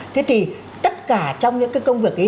thế thì tất cả trong những cái công việc ấy